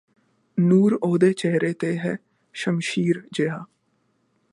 ਨੂਰ ਓਹਦੇ ਚਿਹਰੇ ਤੇ ਹੈ ਸ਼ਮਸ਼ੀਰ ਜੇਹਾ